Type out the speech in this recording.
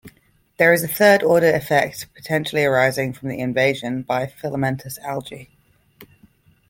There is a third-order effect potentially arising from the invasion by filamentous algae.